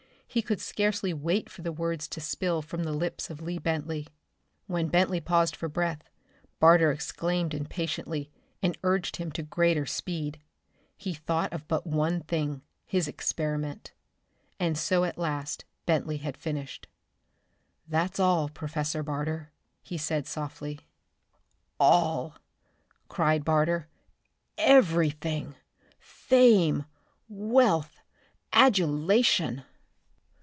He could scarcely wait for the words to spill from the lips of Lee Bentley. When Bentley paused for breath, Barter exclaimed impatiently, and urged him to greater speed. He thought of but one thing, his experiment. And so at last Bentley had finished. "That's all, Professor Barter!" he said softly. "All!" cried Barter. "Everything! Fame! Wealth! Adulation!